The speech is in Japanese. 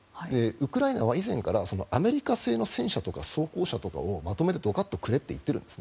ウクライナは以前からアメリカ製の戦車とか走行車とかをまとめてドカッとくれと言っているんです。